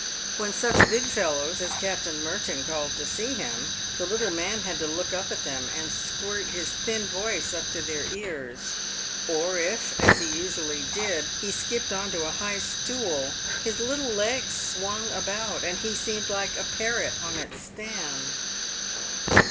"When such big fellows as Captain Merton called to see him, the little man had to look up at them, and squirt his thin voice up to their ears. Or if, as he usually did, he skipped on to a high stool, his little legs swung about, and he seemed like a parrot on its stand.